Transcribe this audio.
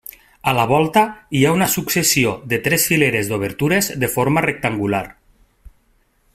A la volta hi ha una successió de tres fileres d'obertures de forma rectangular.